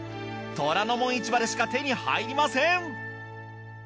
『虎ノ門市場』でしか手に入りません！